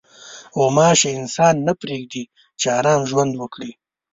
غوماشې انسان نه پرېږدي چې ارام ژوند وکړي.